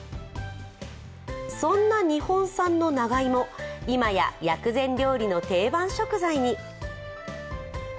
そんな日本産の長芋、今や薬膳料理の定番食材に。